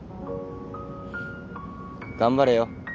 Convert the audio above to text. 頑張れよ。